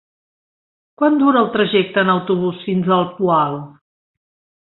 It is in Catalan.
Quant dura el trajecte en autobús fins al Poal?